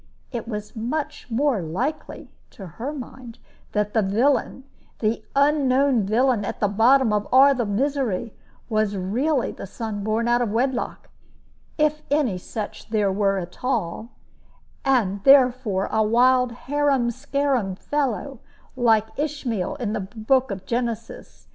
It was much more likely, to her mind, that the villain, the unknown villain at the bottom of all the misery, was really the son born out of wedlock, if any such there were at all, and therefore a wild harum scarum fellow like Ishmael in the Book of Genesis.